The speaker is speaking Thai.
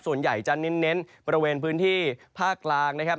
ส่วนใหญ่จะเน้นบริเวณพื้นที่ภาคกลางนะครับ